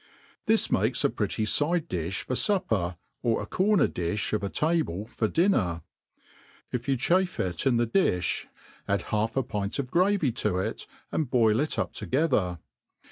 This makes a pretty fide difh for fu^« per,, or a corner difli of a table for dinger. If you chafe it in thedifli, add half a pint of gravy to it, and boil it up together.